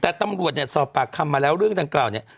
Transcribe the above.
แต่ตำรวจเนี่ยสอบปากคำมาแล้วเรื่องดังกล่าวเนี่ย